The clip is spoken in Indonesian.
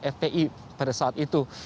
fpi pada saat itu